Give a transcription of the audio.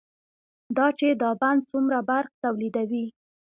دا چې دا بند څومره برق تولیدوي،